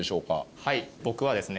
はい僕はですね